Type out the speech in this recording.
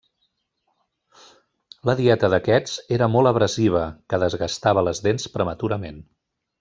La dieta d'aquests era molt abrasiva que desgastava les dents prematurament.